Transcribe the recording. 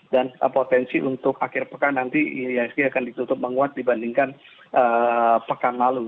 dan eee potensi untuk akhir pekan nanti ihsg akan ditutup menguat dibandingkan eee pekan lalu